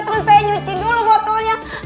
terus saya nyuci dulu botolnya